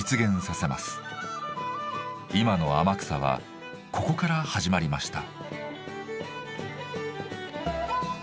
今の天草はここから始まりました。